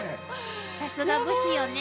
さすが武士よね。